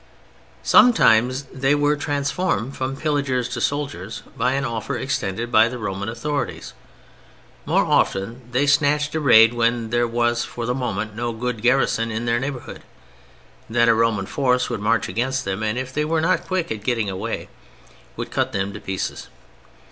Sometimes they were transformed from pillagers to soldiers by an offer extended by the Roman authorities; more often they snatched a raid when there was for the moment no good garrison in their neighborhood. Then a Roman force would march against them, and if they were not quick at getting away would cut them to pieces.